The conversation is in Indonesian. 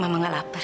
mama gak lapar